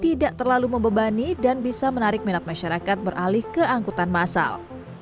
tidak terlalu membebani dan bisa menarik minat masyarakat beralih ke angkutan masal